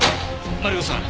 マリコさん